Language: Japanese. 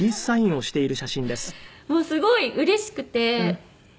すごいうれしくて。